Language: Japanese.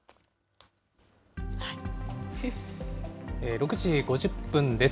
６時５０分です。